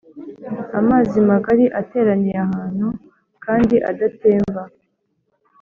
Amazi magari ateraniye ahantu kandi adatemba